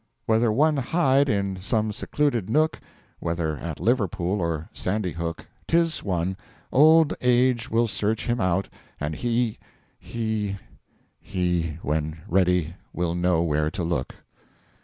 Whether one hide in some secluded Nook Whether at Liverpool or Sandy Hook 'Tis one. Old Age will search him out and He He He when ready will know where to look.